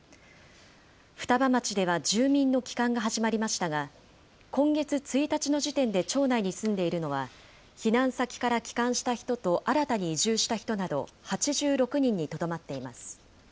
双葉町では住民の帰還が始まりましたが、今月１日の時点で町内に住んでいるのは、避難先から帰還した人と新たに移住した人など８６人にとどまっています。